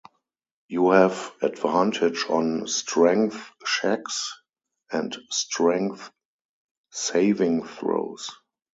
You have advantage on Strength checks and Strength saving throws.